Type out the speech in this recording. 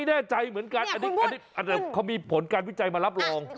แน่ใจเหมือนกันอันนี้เขามีผลการวิจัยมารับรอง